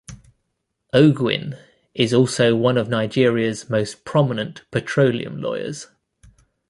Oguine is also one of Nigeria's most prominent petroleum lawyers.